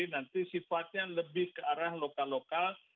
nanti sifatnya lebih ke arah lokal lokal